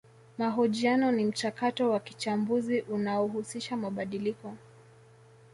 Mahojiano ni mchakato wa kichambuzi unaohusisha mabadiliko